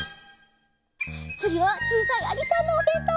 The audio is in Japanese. つぎはちいさいありさんのおべんとう。